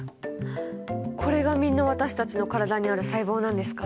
これがみんな私たちの体にある細胞なんですか？